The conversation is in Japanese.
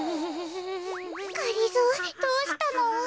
がりぞーどうしたの？